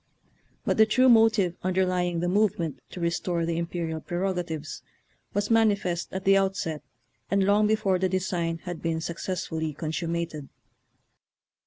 But the true motive underly ing the movement to restore the imperial prerogatives was manifest at the outset and long before the design had been suc cessfully consummated.